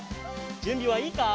じゅんびはいいか？